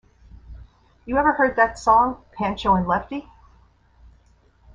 You ever heard that song Pancho and Lefty?